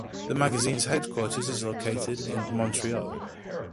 The magazine's headquarters is located in Montreal.